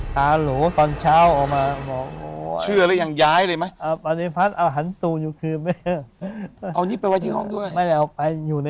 ราโหรตอนเช้าออกมา